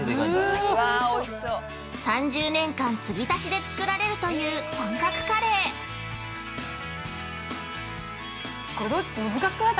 ◆３０年間継ぎ足しで作られるという本格カレー。◆難しくない？